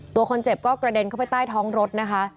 ตัวคนเจ็บก็กระเด็นเข้าไปใต้ท้องรถนะคะ